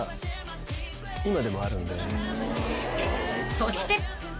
［そして］